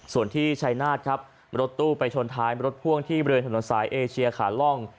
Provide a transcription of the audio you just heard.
ส่วนที่ชัยนาธครับรถตู้ไปชนท้ายรถพ่วงที่บริเวณถนนสายเอเชียขาล่อง